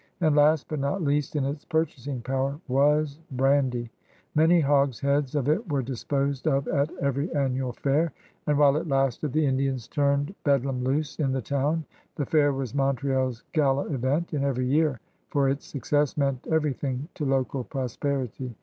And last, but not least in its purchasing power, was brandy. Many hogsheads of it were disposed of at every annual fair, and while it lasted th^ Indians turned bedlam loose in the town. The fair was Montreal's gala event in every year, for its success meant everything to local prosperity.